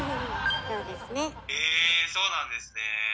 えそうなんですね。